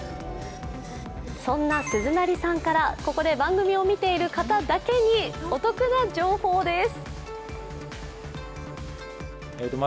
そんな鈴な凛さんからここで番組を見ている方だけにお得な情報です。